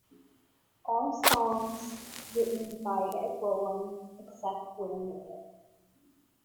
All songs written by Ed Roland, except where noted.